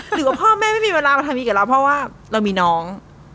หรือที่พ่อแม่ไม่มีเวลาใหม่ได้กับเราเพราะว่าเรามีน้อง